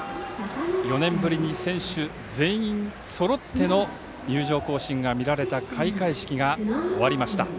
４年ぶりに選手全員そろっての入場行進が見られた開会式が終わりました。